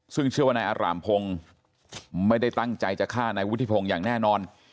ซึ่งเชื่อว่านายอารามพงศ์ไม่ได้ตั้งใจจะฆ่านายวุฒิพงศ์อย่างแน่นอน